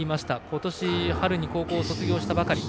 今年春に高校を卒業したばかり。